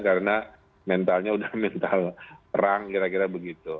karena mentalnya sudah mental rang kira kira begitu